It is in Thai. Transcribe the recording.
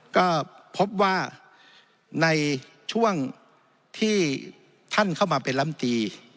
ก็พบว่าในช่วงที่ท่านเข้ามาเป็นลำตี